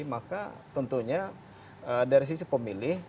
maka tentunya dari sisi pemilih